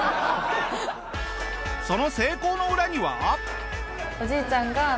その成功の裏には。